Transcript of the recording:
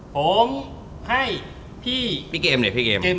ผมให้พี่เกมเองรเลือกให้พี่เกมเลยพี่เกม